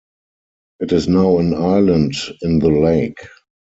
It is now an island in the lake.